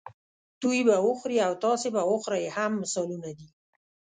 دوی به وخوري او تاسې به وخورئ هم مثالونه دي.